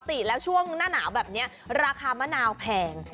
ปกติแล้วช่วงหน้าหนาวแบบนี้ราคามะนาวแพง